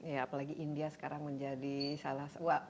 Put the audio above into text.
ya apalagi india sekarang menjadi salah satu